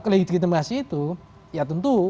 legitimasi itu ya tentu